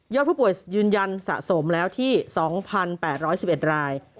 ผู้ป่วยยืนยันสะสมแล้วที่๒๘๑๑ราย